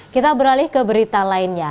kita beralih ke berita lainnya